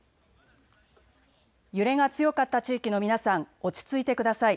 揺れが強かった地域の皆さん、落ち着いてください。